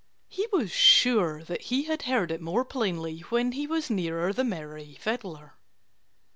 He was sure that he had heard it more plainly when he was nearer the merry fiddler.